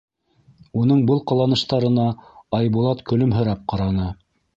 Уның был ҡыланыштарына Айбулат көлөмһөрәп ҡараны.